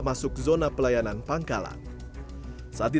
mana bu kemarin tapi nggak boleh